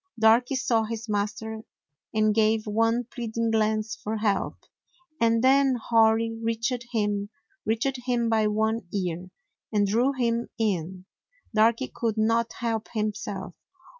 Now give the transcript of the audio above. Darky saw his master and gave one plead ing glance for help; and then Hori reached him — reached him by one ear — and drew him in. Darky could not help himself.